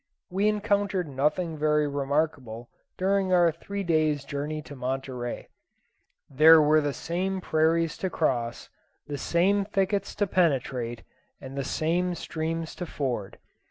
We encountered nothing very remarkable during our three days' journey to Monterey. There were the same prairies to cross, the same thickets to penetrate, and the same streams to ford.